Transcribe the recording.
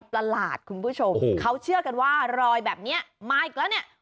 ประหลาดคุณผู้ชมเขาเชื่อกันว่ารอยแบบนี้มาอีกแล้วเนี่ย